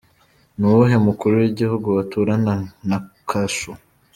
Ni uwuhe Mukuru w’Igihugu waturana na kasho.